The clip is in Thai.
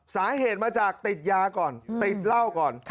สาเหตุมาจากติดยาก่อนติดเหล้าก่อน